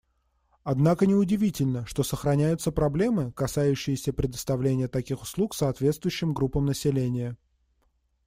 Однако не удивительно, что сохраняются проблемы, касающиеся предоставления таких услуг соответствующим группам населения.